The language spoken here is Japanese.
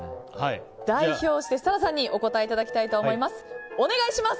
代表して設楽さんにお答えいただきたいと思います。